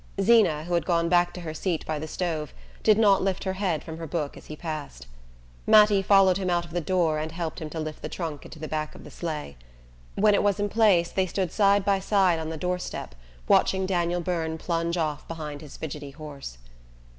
Zeena, who had gone back to her seat by the stove, did not lift her head from her book as he passed. Mattie followed him out of the door and helped him to lift the trunk into the back of the sleigh. When it was in place they stood side by side on the door step, watching Daniel Byrne plunge off behind his fidgety horse.